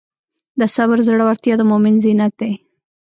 د صبر زړورتیا د مؤمن زینت دی.